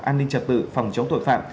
an ninh trật tự phòng chống tội phạm